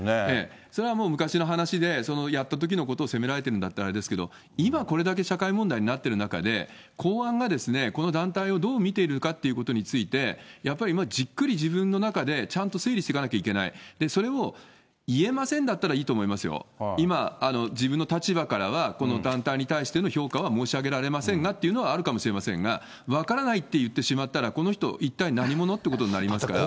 それはもう、昔の話で、やったときのことを責められてるんだったらあれですけど、今これだけ社会問題になっている中で、公安がこの団体をどう見ているのかっていうことについて、やっぱりじっくり自分の中でちゃんと整理していかなきゃいけない、それを、言えませんだったらいいと思いますよ、今、自分の立場からは、この団体に対しての評価は申し上げられませんがっていうのはあるかもしれませんが、分からないって言ってしまったら、この人、一体何者ってなりますから。